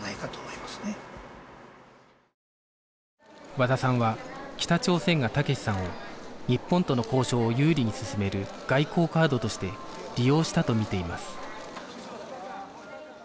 和田さんは北朝鮮が武志さんを日本との交渉を有利に進める外交カードとして利用したとみています